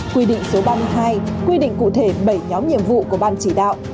quy định số ba mươi hai quy định cụ thể bảy nhóm nhiệm vụ của ban chỉ đạo